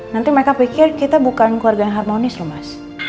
nanti mereka pikir kita bukan keluarga yang harmonis loh mas